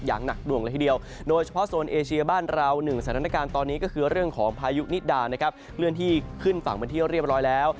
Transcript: อย่างหนักดวงละทีเดียว